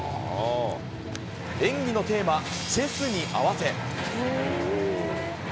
演技のテーマ、チェスに合わせ。